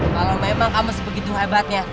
kalau memang kamu sebegitu hebatnya